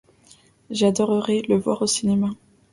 J'adorerais le voir au cinéma.